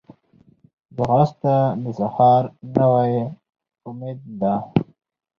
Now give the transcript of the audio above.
ځغاسته د سحر نوی امید ده